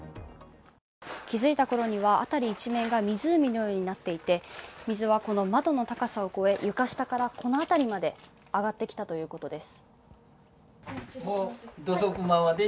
気づいた頃には辺り一面が湖のようになっていて水はこの窓の高さを越え床下からこの辺りまで上がってきたということです。